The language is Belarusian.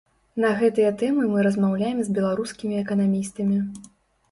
На гэтыя тэмы мы размаўляем з беларускімі эканамістамі.